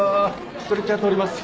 ストレッチャー通ります。